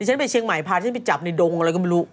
ฉันไปชิงมายพานยังไม่จับในดงอะไรก็ไม่รู้